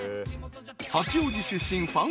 ［八王子出身